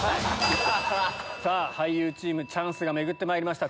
さぁ俳優チームチャンスが巡ってまいりました。